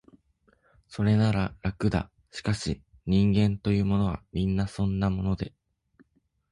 それなら、楽だ、しかし、人間というものは、皆そんなもので、